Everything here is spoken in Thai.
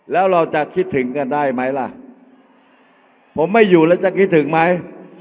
แล้วเราจะคิดถึงกันได้ไหมล่ะผมไม่อยู่แล้วจะคิดถึงไหม